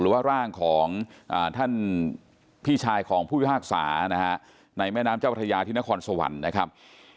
หรือว่าร่างของท่านพี่ชายของผู้พิพากษานะฮะในแม่น้ำเจ้าพระยาที่นครสวรรค์นะครับ